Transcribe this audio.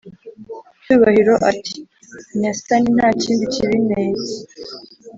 cyubahiro ati"nyasani ntakindi kibinteye